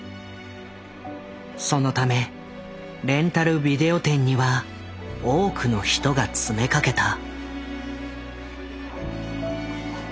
そのためレンタルビデオ店には多くの人が詰めかけた。